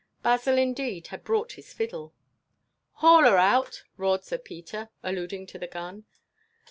Basil, indeed, had brought his fiddle. "Haul her out!" roared Sir Peter, alluding to the gun.